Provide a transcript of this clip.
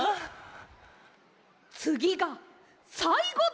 つぎがさいごです。